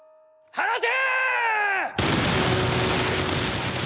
放て！